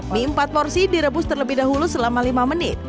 mie empat porsi direbus terlebih dahulu selama lima menit